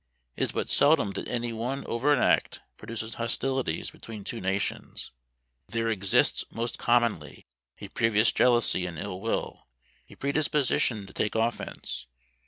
It is but seldom that any one overt act produces hostilities between two nations; there exists, most commonly, a previous jealousy and ill will, a predisposition to take offence.